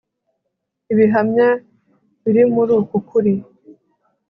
Ibihamya biri muri uku kuri